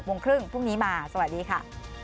พรุ่งนี้มาสวัสดีค่ะ